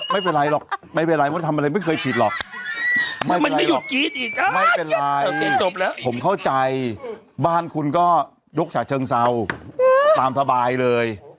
ไม่เป็นไรผมเข้าใจบ้านคุณก็ยกฉะเชิงเศร้าตามสบายเลย